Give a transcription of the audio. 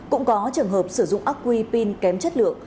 cũng có trường hợp sử dụng ác quy pin kém chất lượng